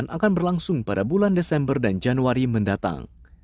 akan berlangsung pada bulan desember dan januari mendatang